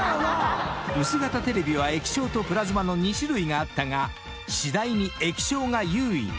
［薄型テレビは液晶とプラズマの２種類があったが次第に液晶が優位に］